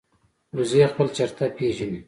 وزې خپل چرته پېژني